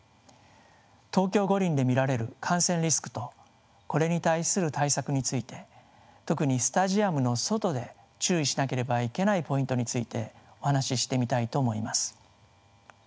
東京五輪で見られる感染リスクとこれに対する対策について特にスタジアムの外で注意しなければいけないポイントについてお話ししてみたいと思います。